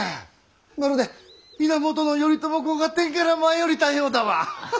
まるで源頼朝公が天から舞い降りたようだわ。